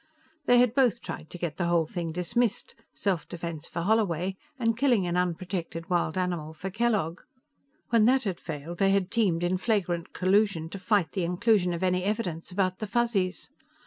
They had both tried to get the whole thing dismissed self defense for Holloway, and killing an unprotected wild animal for Kellogg. When that had failed, they had teamed in flagrant collusion to fight the inclusion of any evidence about the Fuzzies.